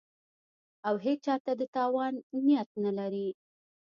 او هېچا ته د تاوان نیت نه لري